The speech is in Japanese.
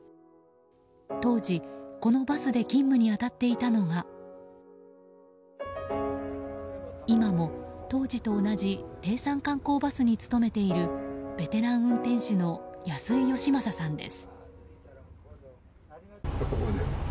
当時このバスで勤務に当たっていたのが今も当時と同じ帝産観光バスに勤めているベテラン運転手の安井義政さんです。